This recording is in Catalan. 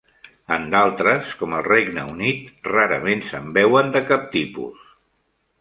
En d'altres, com el Regne Unit, rarament se'n veuen de cap tipus.